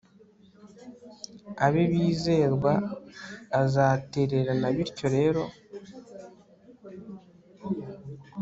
abe bizerwa azatererana bityo rero